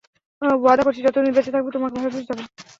ওয়াদা করছি যতদিন বেঁচে থাকবো তোমাকে ভালোবেসে যাবো।